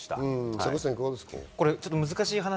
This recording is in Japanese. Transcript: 坂口さん、いかがですか？